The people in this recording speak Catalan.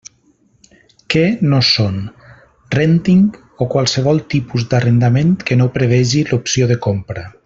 Què no són: rènting o qualsevol tipus d'arrendament que no prevegi l'opció de compra.